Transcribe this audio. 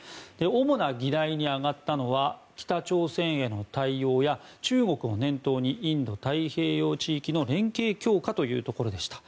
主な議題に上がったのは北朝鮮への対応や中国を念頭にインド太平洋地域の連携強化というところでした。